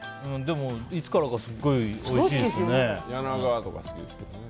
いつからかすごい好きですね。